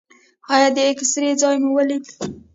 ایا د اکسرې ځای مو ولید؟